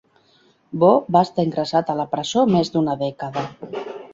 Bo va estar ingressat a la presó més d'una dècada.